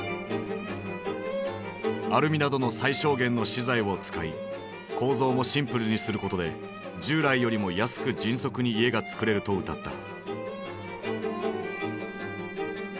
アルミなどの最小限の資材を使い構造もシンプルにすることで従来よりも安く迅速に家がつくれるとうたった。